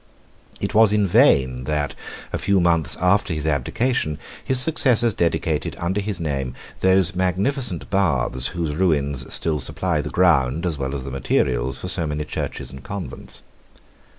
It was in vain that, a few months after his abdication, his successors dedicated, under his name, those magnificent baths, whose ruins still supply the ground as well as the materials for so many churches and convents.